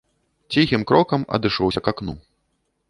Ціхім крокам адышоўся к акну.